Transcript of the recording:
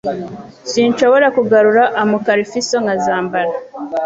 Sinshobora kugarura amkarfiso nkaza mbara